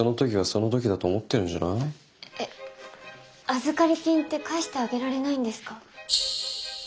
預かり金って返してあげられないんですか？